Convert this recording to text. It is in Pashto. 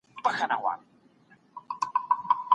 نتیجه باید بې فکره ونه وي.